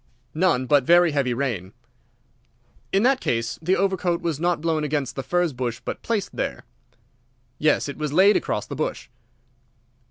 "None; but very heavy rain." "In that case the overcoat was not blown against the furze bush, but placed there." "Yes, it was laid across the bush."